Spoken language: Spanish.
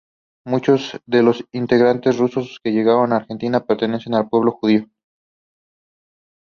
Muchos de los inmigrantes rusos que llegaron a la Argentina pertenecen al pueblo judío.